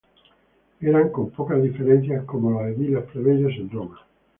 Eran con poca diferencia como los ediles plebeyos en Roma.